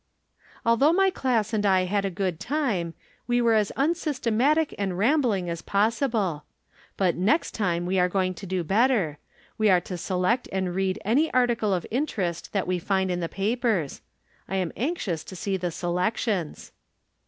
Although my class and I had a good time, we were as unsystematic and rambling as possible. But next time we are going to do better ; we are to select and read any article of interest that we find in the papers. I am anxious to see the se lections.